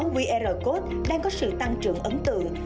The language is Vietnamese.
qr code đang có sự tăng trưởng ấn tượng